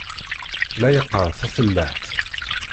La yeqqar tafellaḥt.